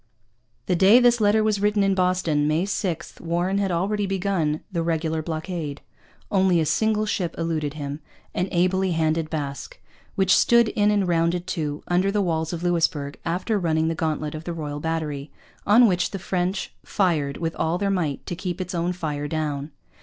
The day this letter was written in Boston, May 6, Warren had already begun the regular blockade. Only a single ship eluded him, an ably handled Basque, which stood in and rounded to, under the walls of Louisbourg, after running the gauntlet of the Royal Battery, on which the French fired with all their might to keep its own fire down.